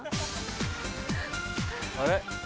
あれ？